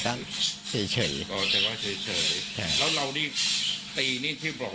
ก็วิ่งได้แสดงว่าอย่างนี้อันนี้พูดแบบ